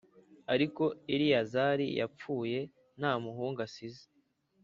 Ariko Eleyazari yapfuye nta muhungu asize